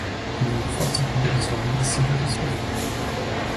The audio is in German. In den bevorzugten Lebensräumen ist sie durchaus häufig.